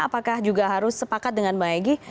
apakah juga harus sepakat dengan mbak egy